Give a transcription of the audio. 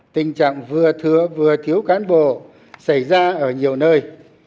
tình trạng vừa thừa vừa thiếu cán bộ xảy ra ở nhiều nơi